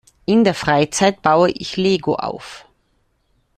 In der Freizeit baue ich Lego auf.